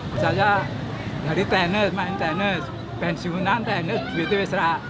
misalnya dari tenis main tenis pensiunan tenis begitu betul